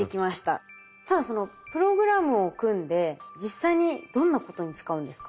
ただそのプログラムを組んで実際にどんなことに使うんですか？